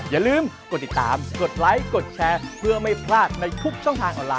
ยังไม่หยุดอีกหรอ